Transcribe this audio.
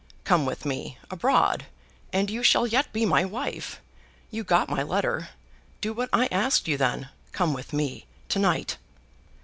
"Come with me, abroad, and you shall yet be my wife. You got my letter? Do what I asked you, then. Come with me to night."